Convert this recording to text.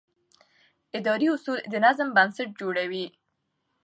اداري اصول د نظم بنسټ جوړوي.